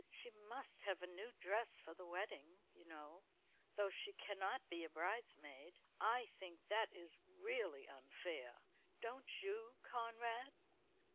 She must have a new dress for the wedding, you know; though she cannot be a bridesmaid. I think that is really unfair. Don't you, Conrad?"